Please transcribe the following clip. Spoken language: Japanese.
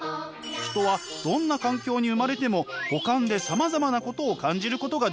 人はどんな環境に生まれても五感でさまざまなことを感じることができます。